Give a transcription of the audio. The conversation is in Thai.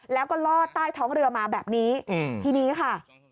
แล้วก็ลอดใต้ท้องเรือมาแบบนี้ทีนี้ค่ะ